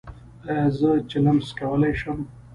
ایا زه چلم څکولی شم؟